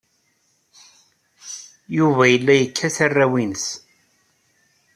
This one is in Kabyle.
Yuba yella yekkat arraw-nnes.